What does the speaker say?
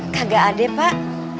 kagak ada pak